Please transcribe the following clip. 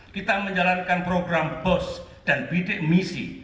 kita menjalankan program bos dan bidik misi